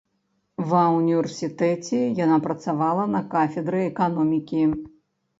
Ва універсітэце яна працавала на кафедры эканомікі.